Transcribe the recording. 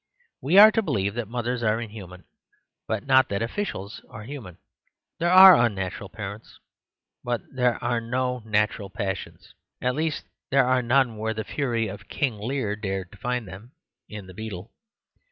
We are to believe that mothers are inhuman ; but not that officials are human. There are un natural parents, but there are no natural pas sions; at least, there are none where the fury of King Lear dared to find them — in the beadle.